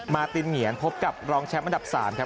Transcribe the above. ตินเหงียนพบกับรองแชมป์อันดับ๓ครับ